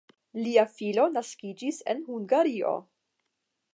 Lia filo naskiĝis en Hungario.